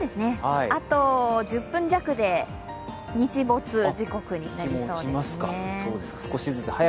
あと１０分弱で日没時刻になりそうですね。